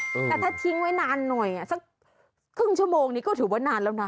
แต่ถ้าทิ้งไว้นานหน่อยสักครึ่งชั่วโมงนี้ก็ถือว่านานแล้วนะ